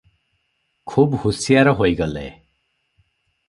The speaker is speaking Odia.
ଖୁବ୍ ହୁସିଆର ହୋଇଗଲେ ।